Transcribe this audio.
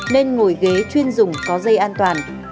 nên ngồi ghế chuyên dùng có dây an toàn